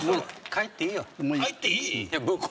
帰っていい？